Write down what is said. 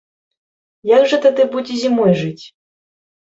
Як жа тады будзе зімой жыць?